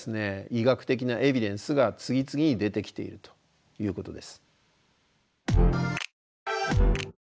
医学的なエビデンスが次々に出てきているということです。